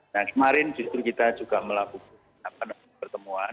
nah kemarin justru kita juga melakukan pertemuan